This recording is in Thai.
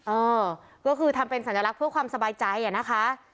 เออก็คือทำเป็นสัญลักษณ์เพื่อความสบายใจอะนะคะ